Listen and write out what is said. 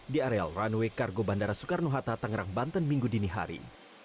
di areal runway kargo bandara soekarno hatta tangerang banten minggu dini hari